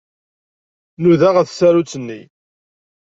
Nudaɣ ɣef tsarut-nni.